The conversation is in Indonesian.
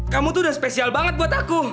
kamu tuh udah spesial banget buat aku